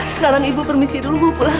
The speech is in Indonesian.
sekarang ibu permisi dulu bu pulang